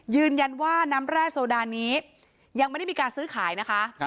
ยืนยันว่าน้ำแร่โซดานี้ยังไม่ได้มีการซื้อขายนะคะ